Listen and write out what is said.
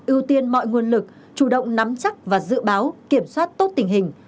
ưu tiên mọi nguồn lực chủ động nắm chắc và dự báo kiểm soát tốt tình hình